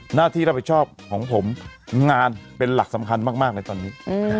หน้าที่รับผิดชอบของผมงานเป็นหลักสำคัญมากในตอนนี้